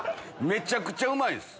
めちゃくちゃうまいです。